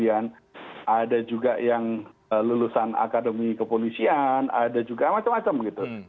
ada juga yang lulusan akademi kepolisian ada juga macam macam gitu